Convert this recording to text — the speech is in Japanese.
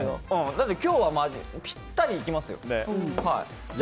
今日はぴったりいきますよ。